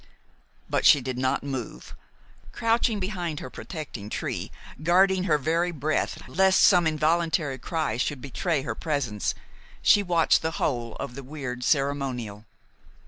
But she did not move. Crouching behind her protecting tree, guarding her very breath lest some involuntary cry should betray her presence, she watched the whole of the weird ceremonial.